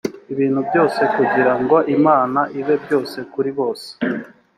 ibintu byose kugira ngo imana ibe byose kuri bose